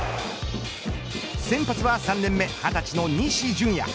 先発は、３年目２０歳の西純矢。